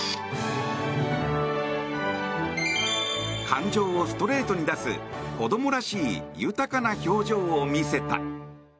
感情をストレートに出す子供らしい豊かな表情を見せた。